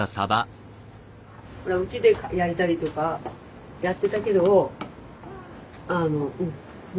うちで焼いたりとかやってたけどあのうん。